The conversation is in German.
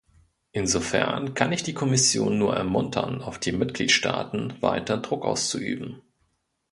Insofern kann ich die Kommission nur ermuntern, auf die Mitgliedstaaten weiter Druck auszuüben.